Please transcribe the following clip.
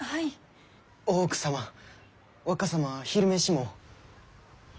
大奥様若様は昼飯も。